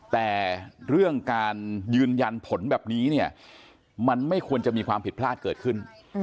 แต่เรื่องการยืนยันผลแบบนี้เนี่ยมันไม่ควรจะมีความผิดพลาดเกิดขึ้น